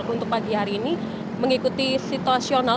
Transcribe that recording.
untuk pagi hari ini mengikuti situasional